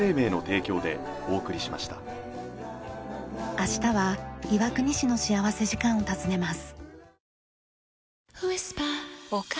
明日は岩国市の幸福時間を訪ねます。